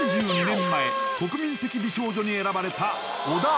３２年前国民的美少女に選ばれた小田茜